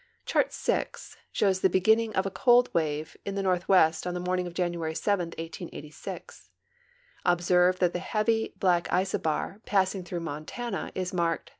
Chart VI shows the beginning of a cold wave in the north west on the morning of January 7, 1886. Observe that the heavy, black isobar passing through Montana is marked 30.